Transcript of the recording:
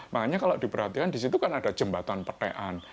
makanya kalau diperhatikan di situ kan ada jembatan pertean